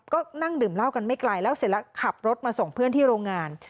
ก็นั่งดื่มเหล้ากันไม่ไกลแล้วเสร็จแล้วขับรถมาส่งเพื่อนที่โรงงาน